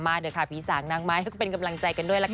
มาเดี๋ยวค่ะพี่สางน้ำไม้ทุกคนเป็นกำลังใจกันด้วยละกัน